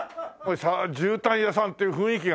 じゅうたん屋さんっていう雰囲気がね。